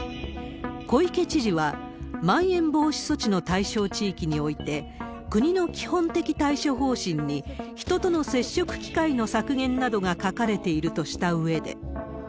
小池知事は、まん延防止措置の対象地域において、国の基本的対処方針に人との接触機会の削減などが書かれているとしたうえで。